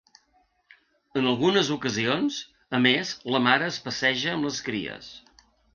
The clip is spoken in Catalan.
En algunes ocasions, a més, la mare es passeja amb les cries.